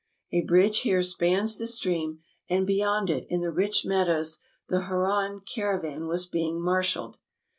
A bridge here spans the stream ; and beyond it, in the rich meadows, the Hanran caravan was being mar shaled.